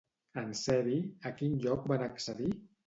En ser-hi, a quin lloc van accedir?